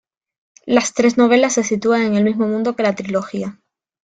Las tres novelas se sitúan en el mismo mundo que la trilogía.